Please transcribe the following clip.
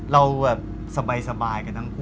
เราแบบสบายกันทั้งคู่